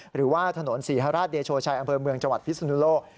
หรือว่าถนนศรีฮราชเดโชชัยอำเภอเมืองจังหวัดพิศนุโลก